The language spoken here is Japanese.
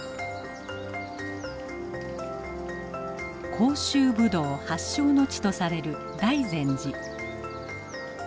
甲州ブドウ発祥の地とされる大善寺。